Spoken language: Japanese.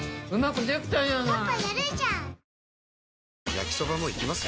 焼きソバもいきます？